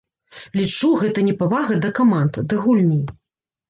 Лічу, гэта непавага да каманд, да гульні.